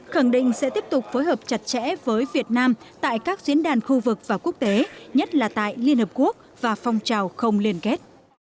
khẳng định sẽ tiếp tục phối hợp chặt chẽ với việt nam tại các diễn đàn khu vực và quốc tế nhất là tại liên hợp quốc và phong trào không liên kết